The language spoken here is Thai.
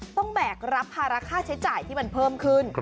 แบกรับภาระค่าใช้จ่ายที่มันเพิ่มขึ้น